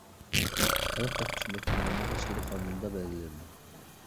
خەلق تەپتىش مەھكىمىلىرىنىڭ تەشكىلى قانۇندا بەلگىلىنىدۇ.